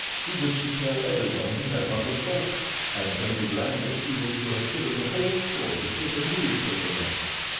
He was to tell every one he met on the boat, and when we landed he was to have given the whole story to the newspaper men.